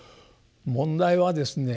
問題はですね